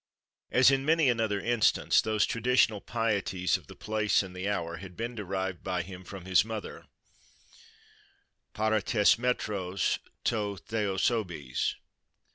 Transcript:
As in many another instance, those traditional pieties of the place and the hour had been derived by him from his mother:—para tês mêtros to theosebes.